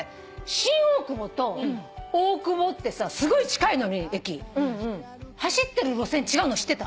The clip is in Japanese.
新大久保と大久保ってさすごい近いのに駅走ってる路線違うの知ってた？